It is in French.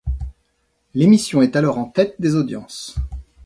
L'émission est alors en tête des audiences.